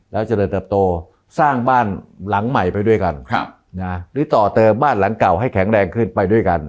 แล้วเจริญเติบโตสร้างบ้านหลังใหม่ไปด้วยกันหรือต่อเติมบ้านหลังเก่าให้แข็งแรงขึ้นไปด้วยกัน